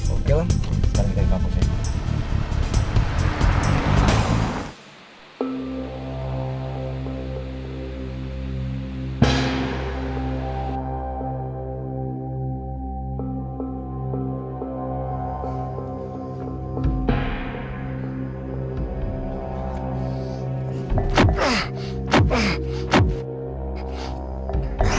oke lam sekarang kita ke kampus ya